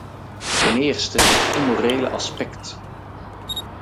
Ten eerste het immorele aspect.